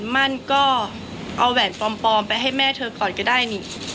มันก็เอาแหวนปลอมไปให้แม่เธอก่อนก็ได้นี่